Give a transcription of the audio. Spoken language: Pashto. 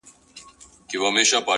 o زما د هر شعر نه د هري پيغلي بد راځي؛